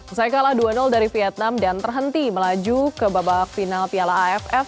usai kalah dua dari vietnam dan terhenti melaju ke babak final piala aff